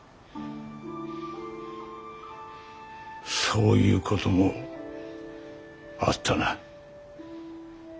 そういうこともあったな。